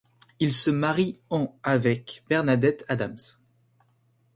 Il se marie en avec Bernadette Adams.